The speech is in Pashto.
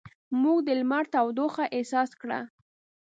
موږ د لمر تودوخه احساس کړه.